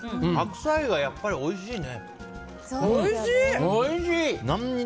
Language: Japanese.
白菜がやっぱりおいしいね。